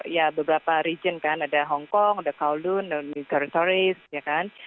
ya beberapa region kan ada hongkong ada kowloon ada nitori toris ya kan